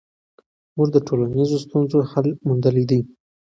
موږ د ټولنیزو ستونزو حل موندلی دی.